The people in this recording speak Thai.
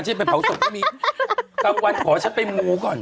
ขอจะไปเผาสพไม่มีกลั้งวันขอชั้นไปมูก่อน